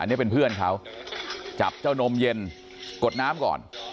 อันนี้เป็นเพื่อนเขาจับเจ้านมเย็นกดน้ำก่อน